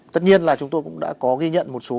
tất nhiên là chúng tôi cũng đã có ghi nhận một số